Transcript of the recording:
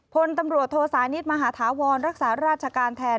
พลตำรวจโทสานิทมหาธาวรรักษาราชการแทน